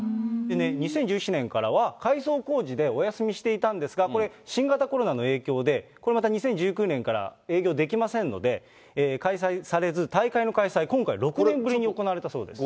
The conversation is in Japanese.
２０１７年からは、改装工事でお休みしていたんですが、これ、新型コロナの影響で、これまた２０１９年から営業できませんので、開催されず、大会の開催、今回、６年ぶりに行われたそうです。